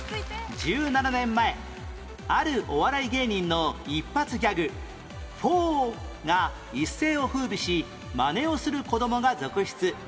１７年前あるお笑い芸人の一発ギャグ「フォー！」が一世を風靡しマネをする子供が続出